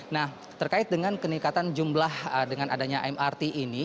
nah terkait dengan kenikatan jumlah dengan adanya mrt ini